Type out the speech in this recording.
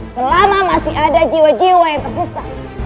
selama masih ada jiwa jiwa yang tersisa